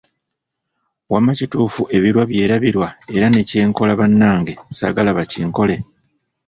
Wamma kituufu ebirwa byerabirwa era ne kyenkola bannange saagala bakinkole…!